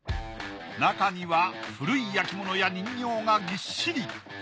なかには古い焼き物や人形がぎっしり。